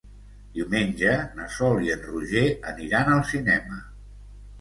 Diumenge na Sol i en Roger aniran al cinema.